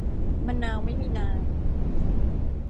มะนาวไม่มีน้ำ